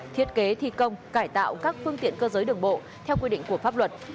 thiết kế thi công cải tạo các phương tiện cơ giới đường bộ theo quy định của pháp luật